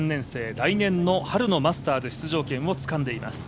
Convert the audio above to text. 来年の春のマスターズ出場権をつかんでいます。